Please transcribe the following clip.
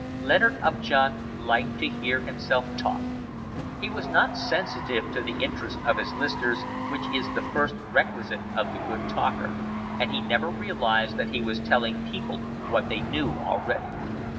Leonard Upjohn liked to hear himself talk. He was not sensitive to the interest of his listeners, which is the first requisite of the good talker; and he never realised that he was telling people what they knew already.